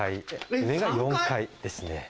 上が４階ですね。